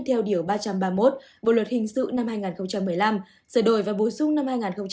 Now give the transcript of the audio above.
theo điều ba trăm ba mươi một bộ luật hình sự năm hai nghìn một mươi năm sở đổi và bối xung năm hai nghìn một mươi bảy